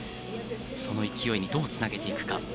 その勢いにどうつなげていくか。